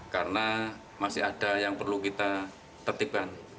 karena masih ada yang perlu kita tertipkan